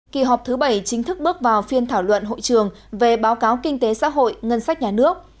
kỳ họp thứ bảy chính thức bước vào phiên thảo luận hội trường về báo cáo kinh tế xã hội ngân sách nhà nước